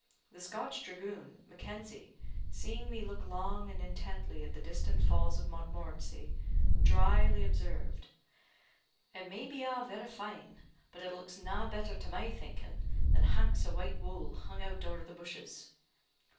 The Scotch dragoon, Mackenzie, seeing me look long and intently at the distant Falls of Montmorency, drily observed, "It may be a' vera fine; but it looks na' better to my thinken than hanks o' white woo' hung out o're the bushes."